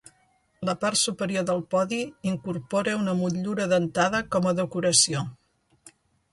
La part superior del podi incorpora una motllura dentada com a decoració.